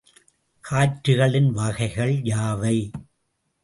காற்றுகளின் வகைகள் யாவை?